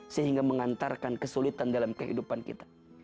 sehingga mengantarkan kesulitan dalam kehidupan kita